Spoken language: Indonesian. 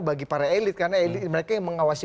bagi para elit karena elit mereka yang mengawasi